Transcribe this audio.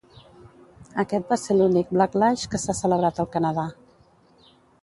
Aquest va ser l'únic Blacklash que s'ha celebrat al Canadà.